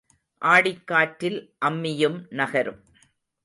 ஆடிக் காற்றில் அம்மியும் நகரும்.